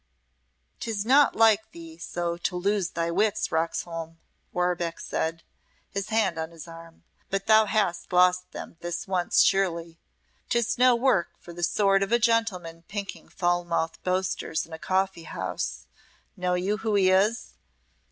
"'Tis not like thee so to lose thy wits, Roxholm," Warbeck said, his hand on his arm, "but thou hast lost them this once surely. 'Tis no work for the sword of a gentleman pinking foul mouthed boasters in a coffee house. Know you who he is?"